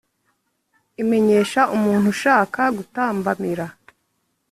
Imenyesha umuntu ushaka gutambamira